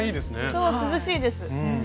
そう涼しいです。